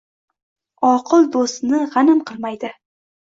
Oqil doʼstni gʼanim qilmaydi.